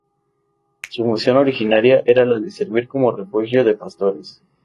Su función originaria era la de servir como refugio de pastores.